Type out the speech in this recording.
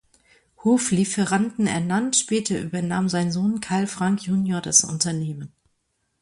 Hoflieferanten ernannt, später übernahm sein Sohn Carl Frank junior das Unternehmen.